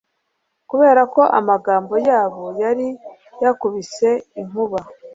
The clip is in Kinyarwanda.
Kuberako amagambo yabo yari yakubise inkuba